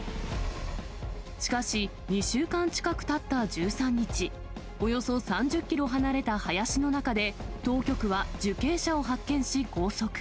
しかし、２週間近くたった１３日、およそ３０キロ離れた林の中で、当局は受刑者を発見し拘束。